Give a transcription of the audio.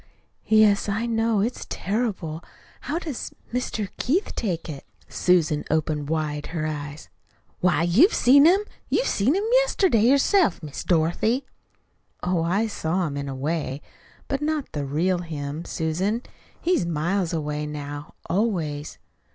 "Yes, I know. It's terrible. How does Mr. Keith take it?" Susan opened wide her eyes. "Why, you've seen him you see him yesterday yourself, Miss Dorothy." "Oh, I saw him in a way, but not the real him, Susan. He's miles away now, always."